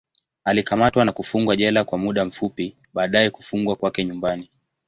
Alikamatwa na kufungwa jela kwa muda fupi, baadaye kufungwa kwake nyumbani.